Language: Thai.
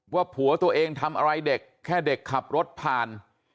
ว่าผัวตัวเองทำอะไรเด็กแค่เด็กขับรถผ่าน